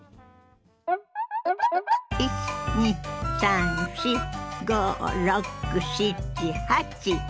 １２３４５６７８。